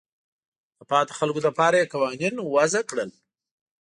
د پاتې خلکو لپاره یې قوانین وضع کړل.